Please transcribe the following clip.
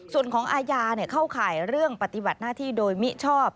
ส่วนของอาญาเข้าข่ายเรื่องปฏิบัติหน้าที่โดยมิชอบ